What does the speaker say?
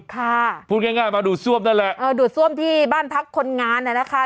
ค่ะพูดง่ายง่ายมาดูดซ่วมนั่นแหละเออดูดซ่วมที่บ้านพักคนงานน่ะนะคะ